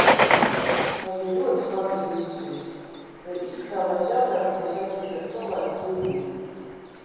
Tās bija ļoti smagas diskusijas, jo izskatāmais jautājums bija saistīts ar cilvēku dzīvību.